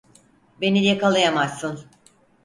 Beni yakalayamazsın!